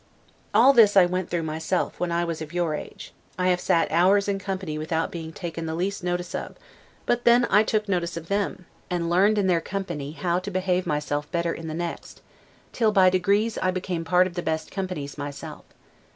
All this I went through myself, when I was of your age. I have sat hours in company without being taken the least notice of; but then I took notice of them, and learned in their company how to behave myself better in the next, till by degrees I became part of the best companies myself.